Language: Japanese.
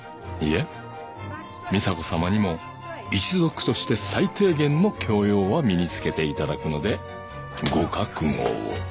いえミサコさまにも一族として最低限の教養は身につけていただくのでご覚悟を。